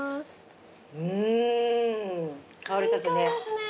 うん香り立つね。